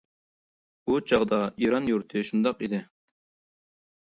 ئۇ چاغدا ئىران يۇرتى شۇنداق ئىدى.